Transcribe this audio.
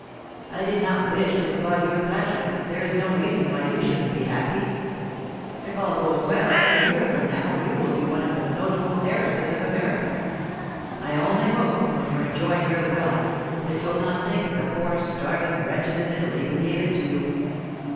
'I did not wish to spoil your pleasure; there is no reason why you shouldn't be happy. If all goes well, a year from now you will be one of the notable heiresses of America. I only hope, when you're enjoying your wealth, that you'll not think of the poor starving wretches in Italy who gave it to you.